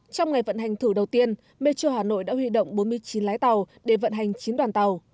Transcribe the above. trong ngày vận hành thử đầu tiên metro hà nội đã huy động bốn mươi chín lái tàu để vận hành chín đoàn tàu